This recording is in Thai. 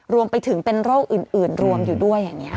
รวมไปถึงเป็นโรคอื่นรวมอยู่ด้วยอย่างนี้ค่ะ